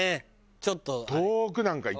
ちょっと。